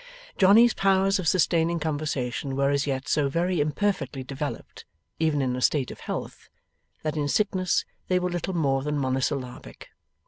Johnny's powers of sustaining conversation were as yet so very imperfectly developed, even in a state of health, that in sickness they were little more than monosyllabic.